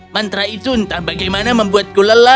mantra itu entah bagaimana membuatku lelah